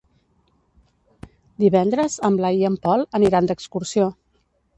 Divendres en Blai i en Pol aniran d'excursió.